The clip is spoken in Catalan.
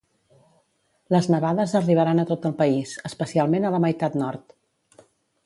Les nevades arribaran a tot el país, especialment a la meitat nord.